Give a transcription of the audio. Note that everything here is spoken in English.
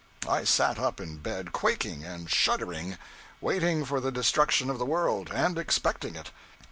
I sat up in bed quaking and shuddering, waiting for the destruction of the world, and expecting it.